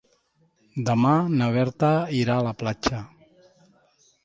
Demà na Berta irà a la platja.